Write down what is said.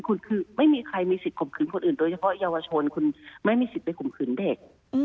คุณคือไม่มีใครมีสิทธิข่มขืนคนอื่นโดยเฉพาะเยาวชนคุณไม่มีสิทธิ์ไปข่มขืนเด็ก